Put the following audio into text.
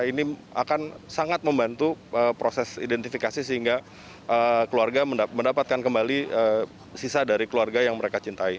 ini akan sangat membantu proses identifikasi sehingga keluarga mendapatkan kembali sisa dari keluarga yang mereka cintai